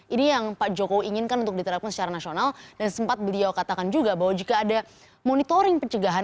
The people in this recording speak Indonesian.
ini yang pak jokowi inginkan untuk diterapkan secara nasional dan sempat beliau katakan juga bahwa jika ada monitoring pencegahan